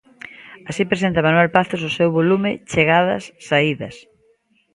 Así presenta Manuel Pazos o seu volume "Chegadas, saídas".